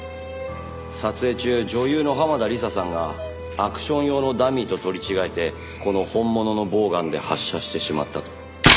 撮影中女優の濱田梨沙さんがアクション用のダミーと取り違えてこの本物のボウガンで発射してしまったと。